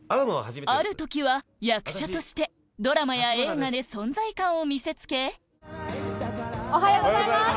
ある時は役者としてドラマや映画で存在感を見せつけおはようございます。